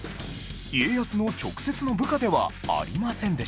家康の直接の部下ではありませんでした